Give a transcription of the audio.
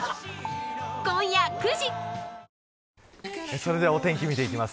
それではお天気見ていきます。